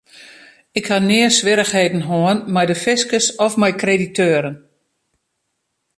Ik ha nea swierrichheden hân mei de fiskus of mei krediteuren.